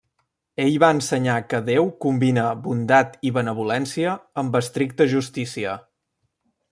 Ell va ensenyar que Déu combina Bondat i Benevolència amb estricta Justícia.